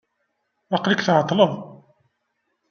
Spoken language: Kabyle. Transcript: Aqel-ik tɛeṭleḍ.